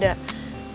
sampai jumpa lagi